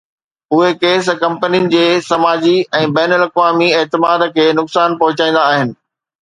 اهي ڪيس ڪمپنين جي سماجي ۽ بين الاقوامي اعتماد کي نقصان پهچائيندا آهن